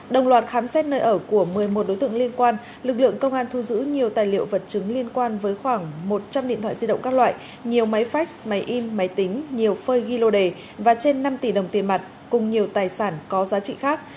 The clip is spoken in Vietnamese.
đồng loạt khám xét nơi ở của một mươi một đối tượng liên quan lực lượng công an thu giữ nhiều tài liệu vật chứng liên quan với khoảng một trăm linh điện thoại di động các loại nhiều máy phách máy in máy tính nhiều phơi ghi lô đề và trên năm tỷ đồng tiền mặt cùng nhiều tài sản có giá trị khác